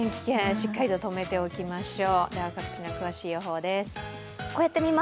しっかり止めておきましょう。